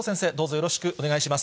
よろしくお願いします。